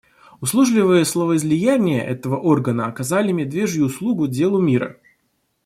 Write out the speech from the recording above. Услужливые словоизлияния этого органа оказали медвежью услугу делу мира.